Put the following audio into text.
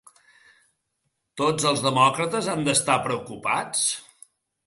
Tots els demòcrates han d’estar preocupats?